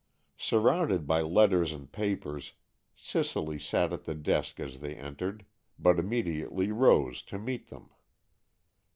Surrounded by letters and papers, Cicely sat at the desk as they entered, but immediately rose to meet them.